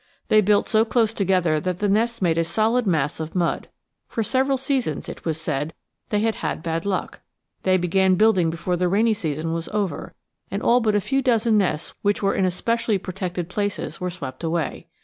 They built so close together that the nests made a solid mass of mud. For several seasons, it was said, "they had bad luck." They began building before the rainy season was over, and all but a few dozen nests which were in especially protected places were swept away.